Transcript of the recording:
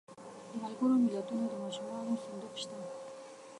د ملګرو ملتونو د ماشومانو صندوق شته.